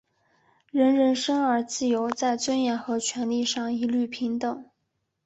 人人生而自由,在尊严和权利上一律平等。